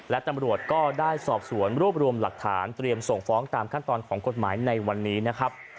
และตำรวจก็ได้สอบสวนรวบรวมหลักฐานเตรียมส่งฟ้องตามขั้นตอนของกฎหมายในวันนี้นะครับ